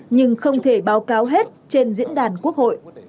nhưng không thể báo cáo hết trên diễn đàn quốc hội